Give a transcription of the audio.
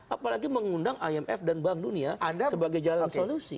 apalagi mengundang imf dan bank dunia sebagai jalan solusi